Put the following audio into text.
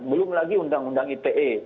belum lagi undang undang ite